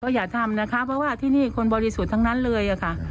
กันดีกว่าค่ะเขาอย่าทำนะคะเพราะว่าที่นี่คนบริสุทธิ์ทั้งนั้นเลยอ่ะค่ะ